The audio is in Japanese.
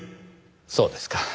そうですか。